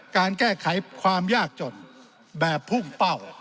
การแก้ไขความยากจนแบบพุ่งเป้า